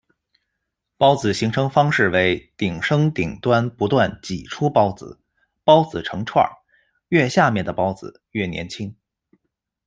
孢子形成方式为顶生顶端不断「挤」出孢子，孢子成串，越下面的孢子越年轻。